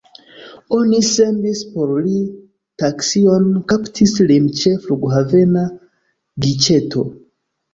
Oni sendis por li taksion, kaptis lin ĉe flughavena giĉeto.